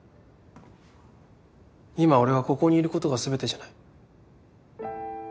今俺はここにいる事が全てじゃない。